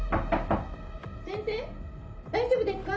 ・先生大丈夫ですか？